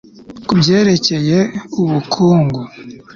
ku byerekeye ubukungu